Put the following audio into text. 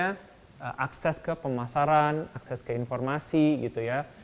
misalnya akses ke pemasaran akses ke informasi gitu ya